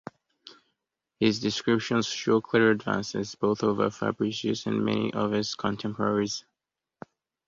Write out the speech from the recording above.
His descriptions show clear advances, both over Fabricius and many of his contemporaries.